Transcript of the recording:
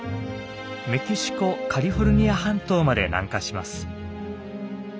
メキシコ・カリフォルニア半島まで南下します。